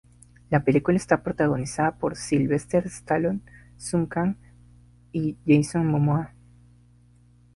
La película está protagonizada por Sylvester Stallone, Sung Kang y Jason Momoa.